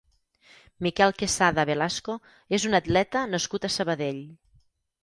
Miquel Quesada Velasco és un atleta nascut a Sabadell.